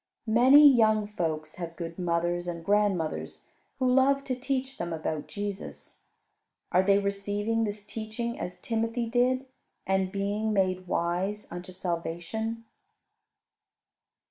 Many young folks have good mothers and grandmothers, who love to teach them about Jesus. Are they receiving this teaching as Timothy did, and being made wise unto salvation?